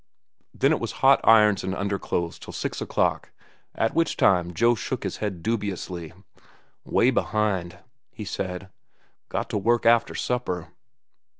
Then it was hot irons and underclothes till six o'clock, at which time Joe shook his head dubiously. "Way behind," he said. "Got to work after supper."